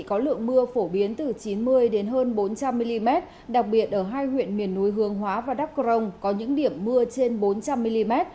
ở hai huyện miền núi hương hóa và đắk crong có những điểm mưa trên bốn trăm linh mm